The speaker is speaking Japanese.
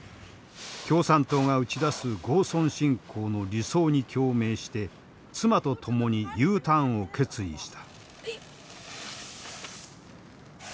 共産党が打ち出す郷村振興の理想に共鳴して妻と共にＵターンを決意した。